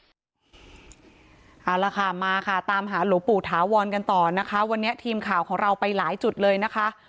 เอาละค่ะมาค่ะตามหาหลวงปู่ถาวรกันต่อนะคะวันนี้ทีมข่าวของเราไปหลายจุดเลยนะคะ